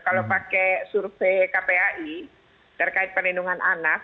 kalau pakai survei kpai terkait perlindungan anak